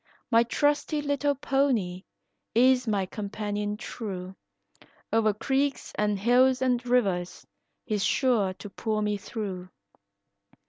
My trusty little pony is my companion true, O'er creeks and hills and rivers he's sure to pull me through.